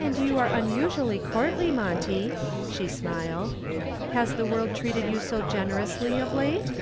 "And you are unusually courtly, Monty," she smiled. "Has the world treated you so generously of late?"